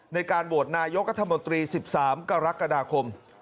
ในการโหวตนายกรัฐมนตรี๑๓กรกฎาคม